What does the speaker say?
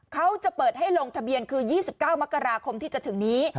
เขาจะเปิดให้ลงทะเบียนคือ๒๙มกราคมที่จะถึงนี้